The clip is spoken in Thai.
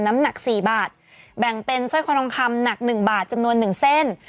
น้ำหนักสี่บาทแบ่งเป็นสร้อยคอทองคำหนักหนึ่งบาทจำนวนหนึ่งเส้น